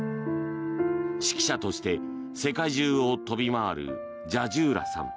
指揮者として世界中を飛び回るジャジューラさん。